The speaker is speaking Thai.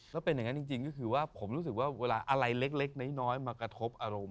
แล้วเป็นอย่างนั้นจริงก็คือว่าผมรู้สึกว่าเวลาอะไรเล็กน้อยมากระทบอารมณ์